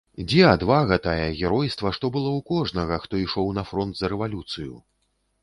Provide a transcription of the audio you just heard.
Дзе адвага тая, геройства, што было ў кожнага, хто ішоў на фронт за рэвалюцыю?